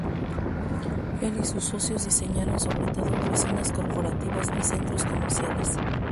Él y sus socios diseñaron sobre todo oficinas corporativas y centros comerciales.